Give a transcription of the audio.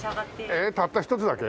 ええったった１つだけ？